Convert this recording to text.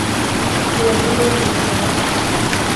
Бул эмне болгон жагдайлар?